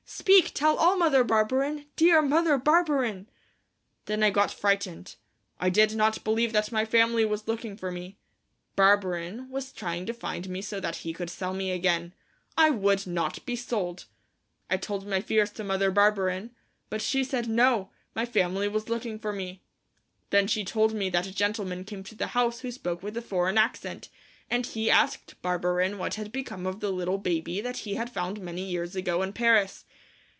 Speak, tell all, Mother Barberin, dear Mother Barberin!" Then I got frightened. I did not believe that my family was looking for me. Barberin was trying to find me so that he could sell me again. I would not be sold! I told my fears to Mother Barberin, but she said no, my family was looking for me. Then she told me that a gentleman came to the house who spoke with a foreign accent, and he asked Barberin what had become of the little baby that he had found many years ago in Paris.